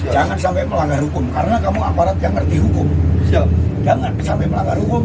jangan sampai melanggar hukum karena kamu aparat yang ngerti hukum jangan sampai melanggar hukum